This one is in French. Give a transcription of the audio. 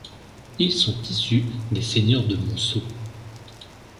Ils sont issus des seigneurs de Monceaux.